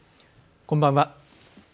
こんばんは。